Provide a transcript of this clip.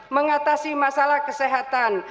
mengatasi masalah kesehatan